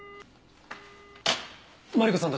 マリコさん